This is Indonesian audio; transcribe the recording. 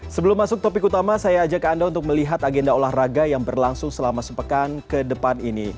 sebelum masuk topik utama saya ajak anda untuk melihat agenda olahraga yang berlangsung selama sepekan ke depan ini